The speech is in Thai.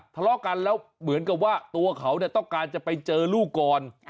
ทะเลาะกันแล้วเหมือนกับว่าตัวเขาต้องการจะไปเจอลูกก่อน